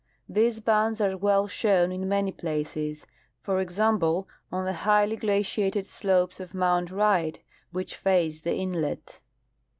These bands are well shown in many places ; for example, on the highly glaciated slopes of mount Wright which face the inlet.